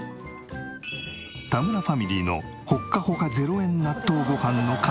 田村ファミリーのほっかほか０円納豆ごはんの完成。